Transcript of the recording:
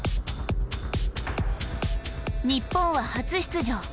日本は初出場。